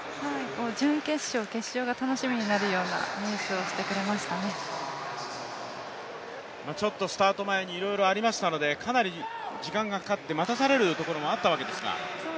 準決勝、決勝が楽しみになるようなレースをしていましたねスタート前にいろいろありましたのでかなり時間がかかって待たされるところもあったわけですが。